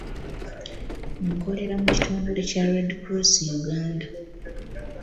Nkolera mu kitongole kya Red cross Uganda.